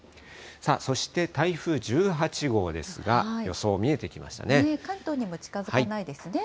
そして台風１８号ですが、予想見関東にも近づかないですね。